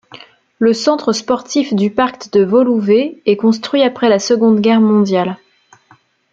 Le centre Sportif du Parc de Woluwé est construit après la Seconde Guerre mondiale.